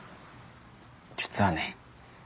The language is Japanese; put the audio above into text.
実はね。